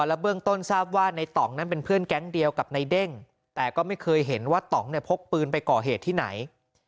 และเบื้องต้นทราบว่าในต่องนั้นเป็นเพื่อนแก๊งเดียวกับในเด้งแต่ก็ไม่เคยเห็นว่าต่องเนี่ยพกปืนไปก่อเหตุที่ไหน